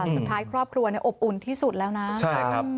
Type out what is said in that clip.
สุดท้ายครอบครัวเนี่ยอบอุ่นที่สุดแล้วนะใช่ครับ